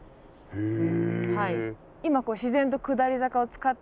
へえ。